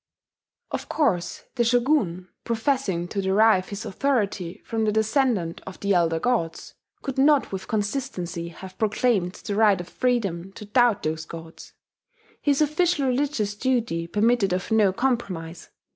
Of course the Shogun, professing to derive his authority from the descendant of the elder gods, could not with consistency have proclaimed the right of freedom to doubt those gods: his official religious duty permitted of no compromise.